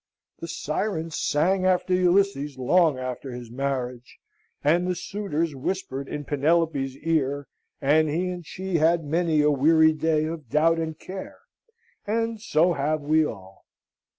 The Sirens sang after Ulysses long after his marriage, and the suitors whispered in Penelope's ear, and he and she had many a weary day of doubt and care, and so have we all.